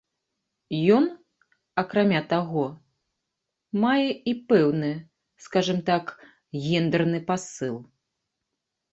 Ён, акрамя таго, мае і пэўны, скажам так, гендэрны пасыл.